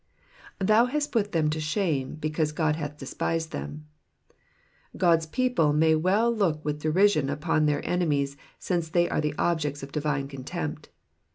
^^Thou Jiast put them to shame^ because God hath despised them,"*^ God's people may well look with derision upon their enemies since they are the objects of divine contempt.